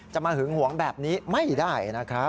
มาหึงหวงแบบนี้ไม่ได้นะครับ